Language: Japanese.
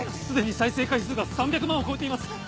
既に再生回数が３００万を超えています。